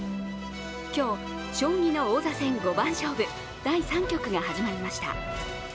今日、将棋の王座戦五番勝負第３局が始まりました。